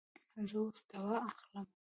زه اوس دوا اخلم